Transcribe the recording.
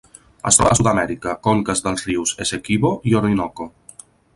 Es troba a Sud-amèrica: conques dels rius Essequibo i Orinoco.